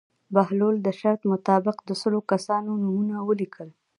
بهلول د شرط مطابق د سلو کسانو نومونه ولیکل.